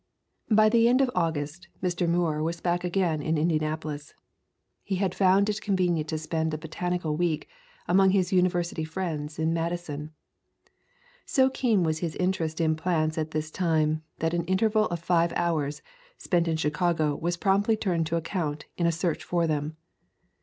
By the end of August Mr. Muir was back again in Indianapolis. He had found it con venient to spend a "botanical week" among his University friends in Madison. So keen was his interest in plants at this time that an interval of five hours spent in Chicago was promptly turned to account in a search for them.